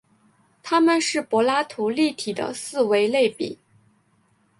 它们是柏拉图立体的四维类比。